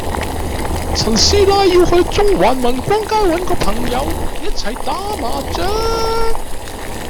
陳師奶要去中環民光街搵個朋友一齊打麻雀